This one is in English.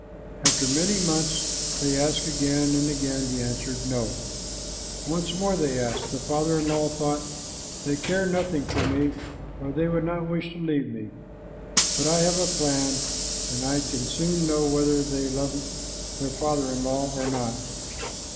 After many months they asked again, and again he answered, "No." Once more they asked. The father in law thought, "They care nothing for me, or they would not wish to leave me, but I have a plan, and I can soon know whether they love their father in law or not."